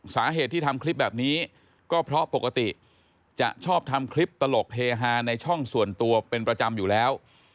สาเหตุที่ทำคลิปแบบนี้ก็เพราะปกติจะชอบทำคลิปตลกเฮฮาในช่องส่วนตัวเป็นประจำอยู่แล้ว